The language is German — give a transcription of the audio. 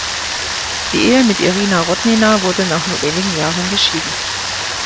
Die Ehe mit Irina Rodnina wurde nach nur wenigen Jahren geschieden.